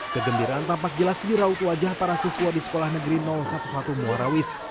kegembiraan tampak jelas di raut wajah para siswa di sekolah negeri sebelas muarawis